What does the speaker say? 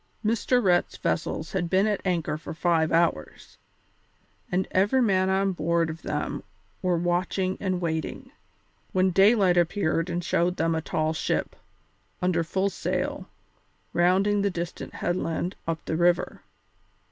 Mr. Rhett's vessels had been at anchor for five hours, and every man on board of them were watching and waiting, when daylight appeared and showed them a tall ship, under full sail, rounding the distant headland up the river.